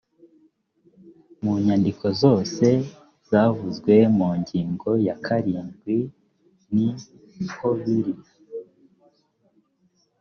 mu nyandiko zose zavuzwe mu ngingo ya karindwi nihobiri.